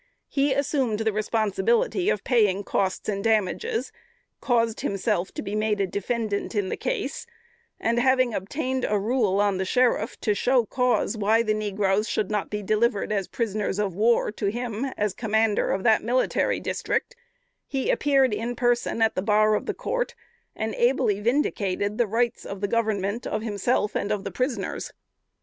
He assumed the responsibility of paying costs and damages, caused himself to be made defendant in the case, and, having obtained a rule on the sheriff to show cause why the negroes should not be delivered as prisoners of war to him, as commander of that Military District, he appeared in person at the bar of the court, and ably vindicated the rights of Government, of himself, and of the prisoners.